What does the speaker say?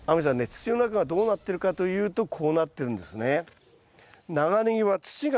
土の中がどうなってるかというとこうなってるんですね。